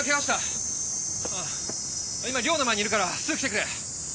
今寮の前にいるからすぐ来てくれ。